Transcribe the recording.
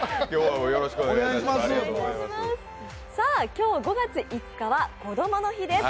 今日５月５日はこどもの日です。